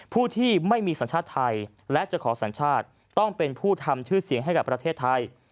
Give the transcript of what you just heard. ผู้ที่ไม่มีสัญชาติไทยและจะขอสัญชาติต้องเป็นผู้ทำชื่อเสียงให้กับประเทศไทย